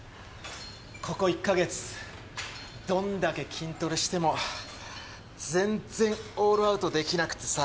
ここ１か月どんだけ筋トレしても全然オールアウトできなくてさ。